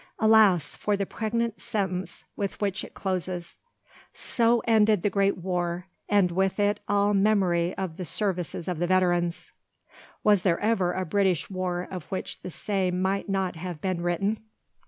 Alas! for the pregnant sentence with which it closes, "So ended the great war, and with it all memory of the services of the veterans." Was there ever a British war of which the same might not have been written?